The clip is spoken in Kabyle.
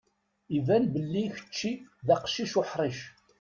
Iban belli kečči d aqcic uḥṛic.